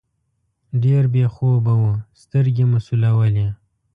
ډېر بې خوبه وو، سترګې مو سولولې.